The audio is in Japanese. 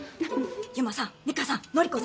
由真さん美香さん紀子さん